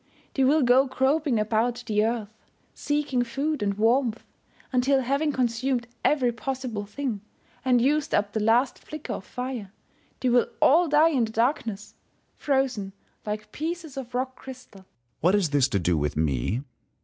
They will go groping about the ^ earth, seeking food and warmth, until having consumed every possible thing, and used up the last flicker of fire, they will all die in the darkness, frozen like pieces of rock crystal. Sun. What is this to do with me